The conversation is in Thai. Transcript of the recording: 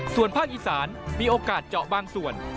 ส่วนภาคอีสานมีโอกาสเจาะบางส่วน